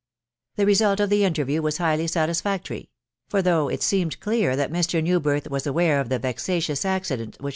The result of the interview was highly satis* factory ; for though it seemed clear that Mr. Newbirth was aware of the vexatious accident wAvidv.